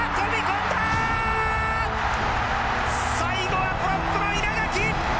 最後はプロップの稲垣。